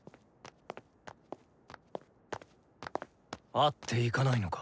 会っていかないのか？